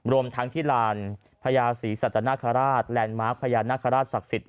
รวมทั้งที่ลานพญาศรีสัตนคราชแลนด์มาร์คพญานาคาราชศักดิ์สิทธิ์